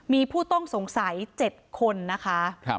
มีผู้ต้องสงสัย๗คนนะคะ